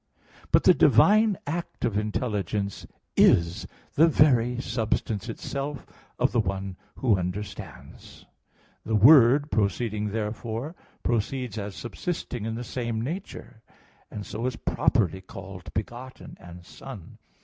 But the divine act of intelligence is the very substance itself of the one who understands (Q. 14, A. 4). The Word proceeding therefore proceeds as subsisting in the same nature; and so is properly called begotten, and Son.